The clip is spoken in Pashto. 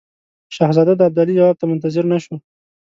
شهزاده د ابدالي جواب ته منتظر نه شو.